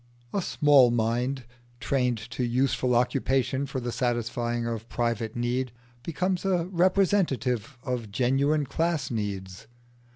A small mind trained to useful occupation for the satisfying of private need becomes a representative of genuine class needs.